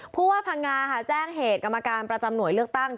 ผู้ว่าพังงาค่ะแจ้งเหตุกรรมการประจำหน่วยเลือกตั้ง